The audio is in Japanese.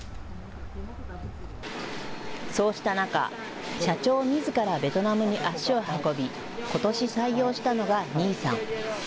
そうした中、社長みずからベトナムに足を運び、ことし採用したのがニーさん。